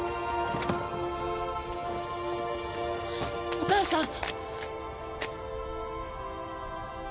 お母さん！